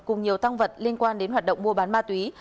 cùng nhiều tăng vật liên quan đến hoạt động mua bán ma túy